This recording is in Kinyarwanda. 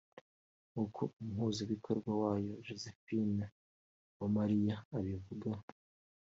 nk’uko umuhuzabikorwa wayo Josephine Uwamariya abivuga